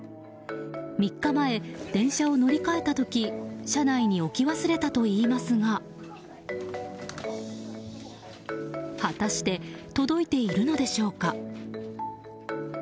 ３日前、電車を乗り換えた時車内に置き忘れたといいますが果たして届いているのでしょうか。